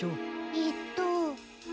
えっと。